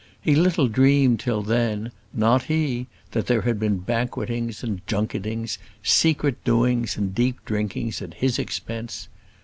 He little dreamed till then, not he, that there had been banquetings and junketings, secret doings and deep drinkings at his expense.